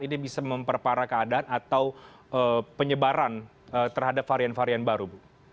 ini bisa memperparah keadaan atau penyebaran terhadap varian varian baru